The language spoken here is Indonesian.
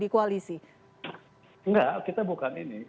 kita bukan ini